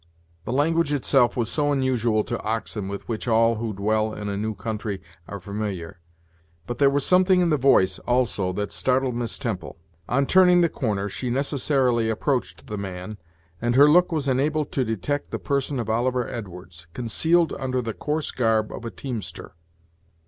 The language itself was so unusual to oxen, with which all who dwell in a new country are familiar; but there was something in the voice, also, that startled Miss Temple On turning the corner, she necessarily approached the man, and her look was enabled to detect the person of Oliver Edwards, concealed under the coarse garb of a teamster.